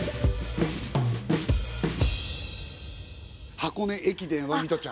「箱根駅伝」はミトちゃん